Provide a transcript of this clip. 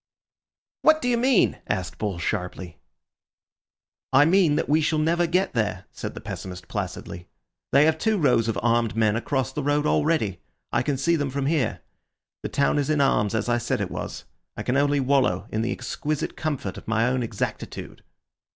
"What do you mean?" asked Bull sharply. "I mean that we shall never get there," said the pessimist placidly. "They have two rows of armed men across the road already; I can see them from here. The town is in arms, as I said it was. I can only wallow in the exquisite comfort of my own exactitude."